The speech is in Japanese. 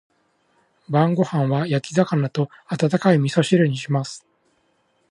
晩ご飯は焼き魚と温かい味噌汁にします。